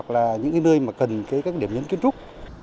là những nơi mà cần các điểm nhấn kiến trúc